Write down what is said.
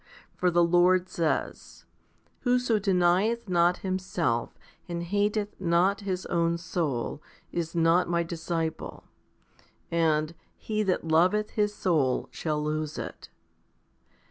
For the Lord says, Whoso denieth not himself, and hateth not his own soul, is not My disciple^ and, He that loveth his soul shall lose it.